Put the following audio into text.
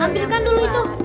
ambilkan dulu itu